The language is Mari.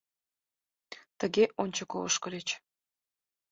Тыге ончыко ошкыльыч.